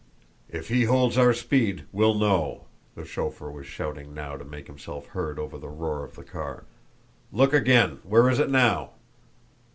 "If he holds our speed, we'll know!" the chauffeur was shouting now to make himself heard over the roar of the car. "Look again! Where is it now?"